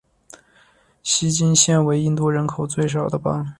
锡金现为印度人口最少的邦。